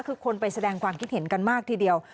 คือคนไปแสดงความคิดเห็นกันมากทีเดียว